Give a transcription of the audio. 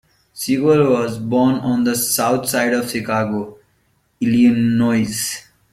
Siegel was born on the south side of Chicago, Illinois.